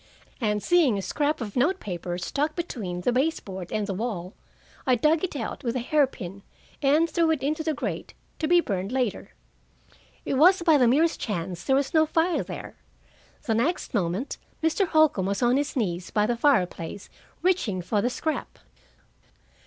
And seeing a scrap of note paper stuck between the base board and the wall, I dug it out with a hairpin, and threw it into the grate, to be burned later. It was by the merest chance there was no fire there. The next moment Mr. Holcombe was on his knees by the fireplace reaching for the scrap.